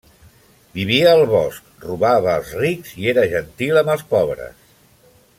Vivia al bosc, robava als rics i era gentil amb els pobres.